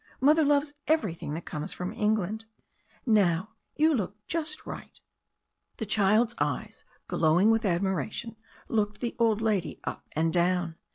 Mother loves everything that comes from England. Now, you look just right." The child's eyes, glowing with admiration, looked the old lady up and down.